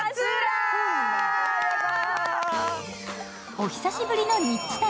お久しぶりのニッチ旅。